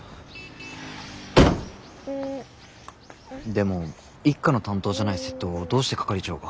でも一課の担当じゃない窃盗をどうして係長が？